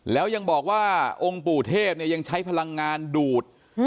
แล้วยังบอกว่าองค์ปู่เทพยังใช้พลังงานดูด